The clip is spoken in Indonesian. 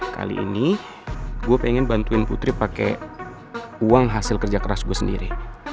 kali ini gue pengen bantuin putri pakai uang hasil kerja keras gue sendiri